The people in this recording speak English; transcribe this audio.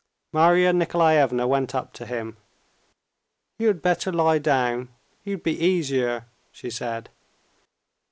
Marya Nikolaevna went up to him. "You had better lie down; you'd be easier," she said.